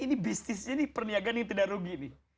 ini bisnisnya ini perniagaan yang tidak rugi nih